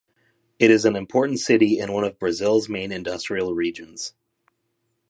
It is an important city in one of Brazil's main industrial regions.